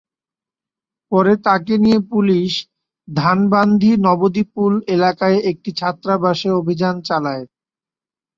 পরে তাঁকে নিয়ে পুলিশ ধানবান্ধি নবদ্বীপুল এলাকায় একটি ছাত্রাবাসে অভিযান চালায়।